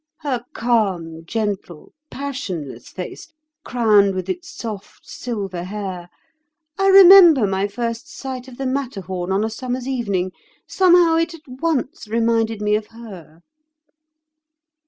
Her calm, gentle, passionless face, crowned with its soft, silver hair—I remember my first sight of the Matterhorn on a summer's evening; somehow it at once reminded me of her."